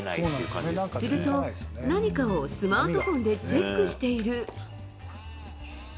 すると、何かをスマートフォンでチェックしている。